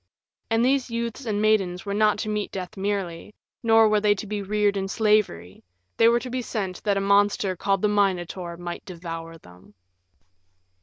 And these youths and maidens were not to meet death merely, nor were they to be reared in slavery they were to be sent that a monster called the Minotaur might devour them.